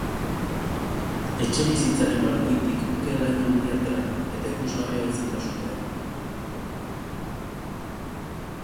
Etxebizitzaren balkoitik ke-laino handia atera da, eta ikusgarria izan da sutea.